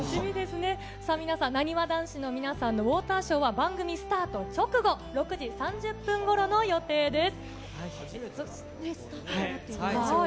さあ、皆さん、なにわ男子の皆さんのウォーターショーは、番組スタート直後、６時３０分ごろの予定です。